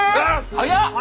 早っ！